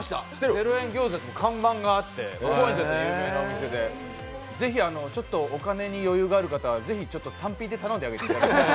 ０円餃子って看板があってすごい有名なお店でお金に余裕がある方はぜひ単品で頼んであげてください。